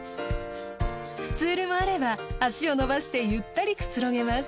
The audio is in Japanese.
スツールもあれば足を伸ばしてゆったりくつろげます。